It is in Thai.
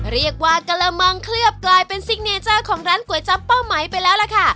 เรียกว่ากระมังเคลือบกลายเป็นซิกเนเจอร์ของร้านก๋วยจับเป้าไหมไปแล้วล่ะค่ะ